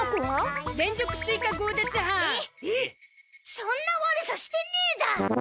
そんな悪さしてねえだ。